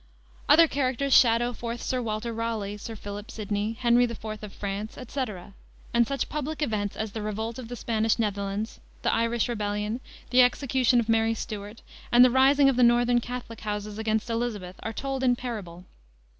Other characters shadow forth Sir Walter Raleigh, Sir Philip Sidney, Henry IV. of France, etc.; and such public events as the revolt of the Spanish Netherlands, the Irish rebellion, the execution of Mary Stuart, and the rising of the northern Catholic houses against Elizabeth are told in parable.